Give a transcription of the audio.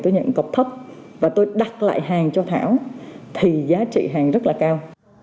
tôi nhận cọc thấp và tôi đặt lại hàng cho thảo thì giá trị hàng rất là cao